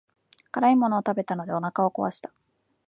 辛いものを食べたのでお腹を壊した。